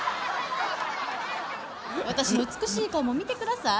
私の美しい顔も見て下さい。